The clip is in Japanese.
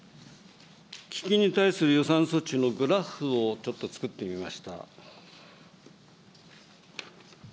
基金に対する予算措置のグラフをちょっと作ってみました。